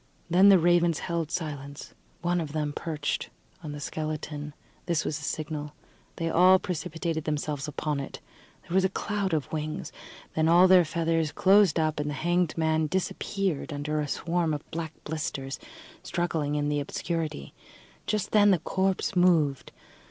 Then the ravens held silence. One of them perched on the skeleton. This was a signal: they all precipitated themselves upon it. There was a cloud of wings, then all their feathers closed up, and the hanged man disappeared under a swarm of black blisters struggling in the obscurity. Just then the corpse moved.